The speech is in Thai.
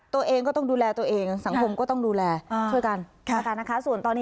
ตัวเองก็ต้องดูแลตัวเองสังคมก็ต้องดูแลช่วยกันแล้วกันนะคะ